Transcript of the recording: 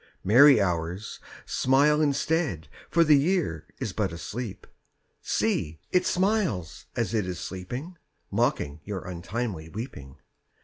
Merry Hours, smile instead, For the Year is but asleep. See, it smiles as it is sleeping, _5 Mocking your untimely weeping.